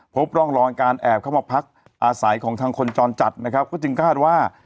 พบร่องรอยการแอบเข้ามาพักอาศัยของทางคนจรจัดนะครับก็จึงคาดว่า